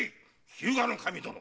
日向守殿。